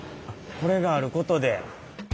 これがあることで。